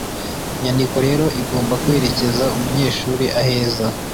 Imyandiko rero igomba kwerekeza umunyeshuri aheza.